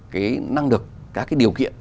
cái năng lực các cái điều kiện